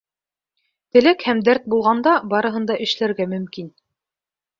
Теләк һәм дәрт булғанда барыһын да эшләргә мөмкин.